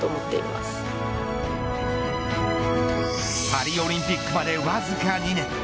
パリオリンピックまでわずか２年。